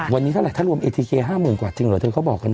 วันนี้เท่าไหรถ้ารวมเอทีเค๕๐๐๐กว่าจริงเหรอเธอเขาบอกกันนะ